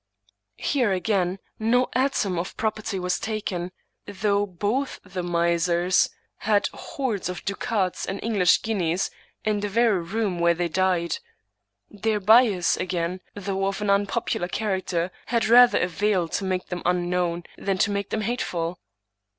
Here, again, no atom of property was taken, though both the misers had 126 Thomas De Quincey hordes of ducats and English guineas in the very room where they died. Their bias, again, though of an unpopu lar character, had rather availed to make them unknown than to make them hateful.